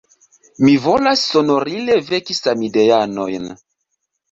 Mi volas sonorile veki samideanojn!